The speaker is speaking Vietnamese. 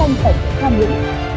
tổng thống tham nhũng